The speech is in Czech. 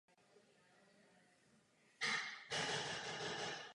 Vyžaduje propustnou půdu a slunné stanoviště.